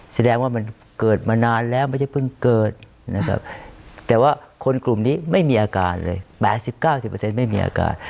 แสดงว่ามันเกิดมานานแล้วไม่ได้เพิ่งเกิดนะครับแต่ว่าคนกลุ่มนี้ไม่มีอาการเลย๘๐๙๐ไม่มีอาการ